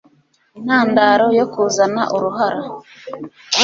intandaro yo kuzana uruhara.